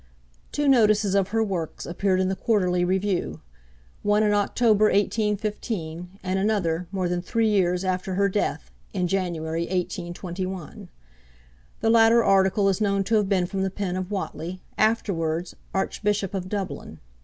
Two notices of her works appeared in the 'Quarterly Review.' One in October 1815, and another, more than three years after her death, in January 1821. The latter article is known to have been from the pen of Whately, afterwards Archbishop of Dublin.